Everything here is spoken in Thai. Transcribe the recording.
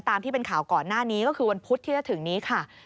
ตามที่เป็นข่าวก่อนหน้านี้ก็คือวันพุธที่จะถึงนี้ค่ะ